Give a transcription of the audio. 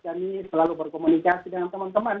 kami selalu berkomunikasi dengan teman teman